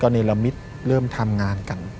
เนรมิตเริ่มทำงานกัน